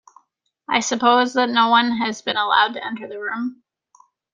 I suppose that no one has been allowed to enter the room?